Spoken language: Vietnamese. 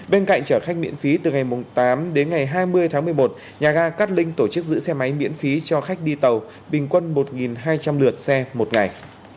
bên cạnh chở khách miễn phí từ ngày tám đến ngày hai mươi tháng một mươi một nhà ga cát linh tổ chức giữ xe máy miễn phí cho khách đi tàu bình quân một hai trăm linh lượt xe một ngày